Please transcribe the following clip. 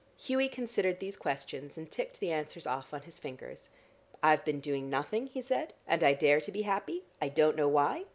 Hughie considered these questions, and ticked the answers off on his fingers. "I've been doing nothing," he said, "and I dare to be happy. I don't know why.